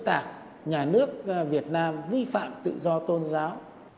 tổ chức đã xuyên tạc nhà nước việt nam vi phạm tự do tôn giáo